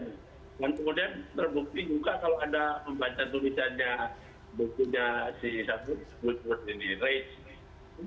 dan kemudian terbukti juga kalau anda membaca tulisannya bukunya si sputnik ini rates